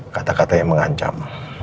kata kata yang mengancam